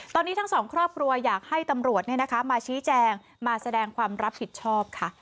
ตอนนี้ทั้งสองครอบครัวอยากให้ตำรวจมาชี้แจงมาแสดงความรับผิดชอบค่ะ